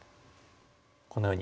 こんなふうに。